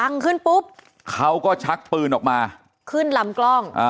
ดังขึ้นปุ๊บเขาก็ชักปืนออกมาขึ้นลำกล้องอ่า